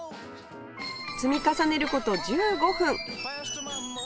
積み重ねる事１５分